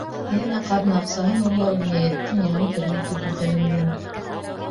Йәнә ҡаҙна аҡсаһын урлау енәйәттең яңы төрө итеп билдәләнгән.